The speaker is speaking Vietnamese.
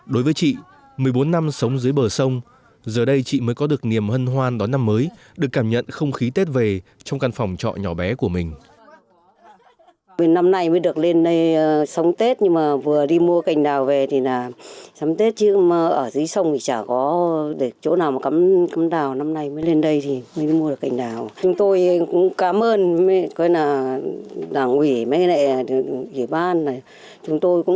đối với chị một mươi bốn năm sống dưới bờ sông giờ đây chị mới có được niềm hân hoan đón năm mới được cảm nhận không khí tết về trong căn phòng trọ nhỏ bé của mình